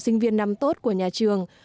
sinh viên năm tốt của nhà trường